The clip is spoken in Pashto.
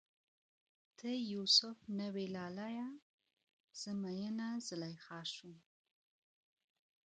ته یو سف نه وی لالیه، زه میینه زلیخا شوم